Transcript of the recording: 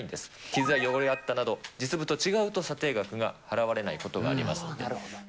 傷や汚れがあったなど、実物と違うと、査定額が払われないことがありますので。